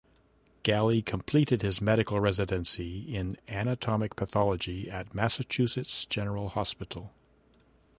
Galli completed his medical residency in anatomic pathology at Massachusetts General Hospital.